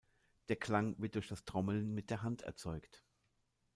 Der Klang wird durch das Trommeln mit der Hand erzeugt.